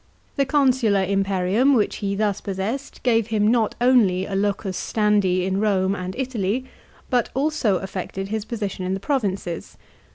The consular imperium, which he thus possessed, gave him not only a locus standi in Rome and Italy, but also affected his position in the provinces.